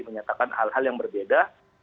menyatakan hal hal yang berbeda